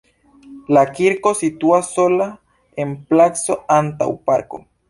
La kirko situas sola en placo antaŭ parko.